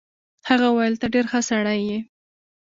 هغه وویل ته ډېر ښه سړی یې.